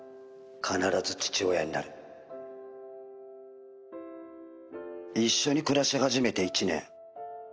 必ず父親になる」「一緒に暮らし始めて１年」